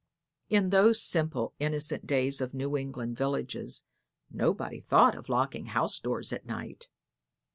In those simple, innocent days in New England villages nobody thought of locking house doors at night.